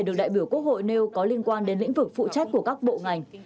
được đại biểu quốc hội nêu có liên quan đến lĩnh vực phụ trách của các bộ ngành